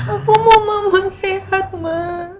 aku mau mama sehat ma